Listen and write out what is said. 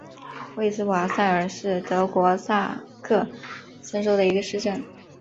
魏斯瓦塞尔是德国萨克森州的一个市镇。